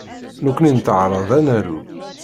Nekni nettaεraḍ ad naru.